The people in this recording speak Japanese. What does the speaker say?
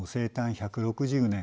１６０年